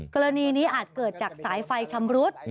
กรณีนี้อาจเกิดจากสายไฟชำรุด